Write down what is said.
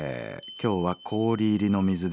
「今日は氷入りの水です」。